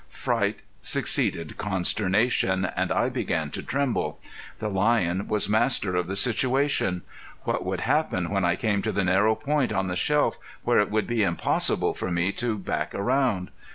Fright succeeded consternation, and I began to tremble. The lion was master of the situation. What would happen when I came to the narrow point on the shelf where it would be impossible for me to back around?